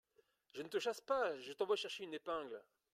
Je ne te chasse pas… je t’envoie chercher une épingle…